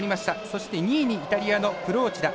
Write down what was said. そして、２位にイタリアのプローチダ。